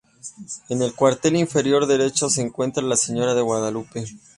En el cuartel inferior derecho se encuentra la Señora de Guadalupe.